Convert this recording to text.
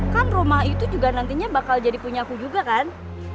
kan rumah itu juga nantinya bakal jadi punya aku juga kan